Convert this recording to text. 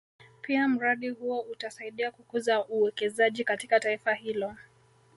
Pia mradi huo utasaidia kukuza uwekezaji katika taifa hilo